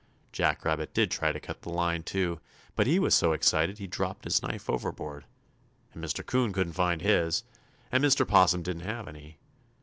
Jack Rabbit did try to cut the line, too, but he was so excited he dropped his knife overboard, and Mr. 'Coon couldn't find his, and Mr. 'Possum didn't have any.